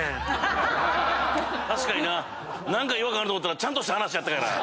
何か違和感あると思ったらちゃんとした話やったから。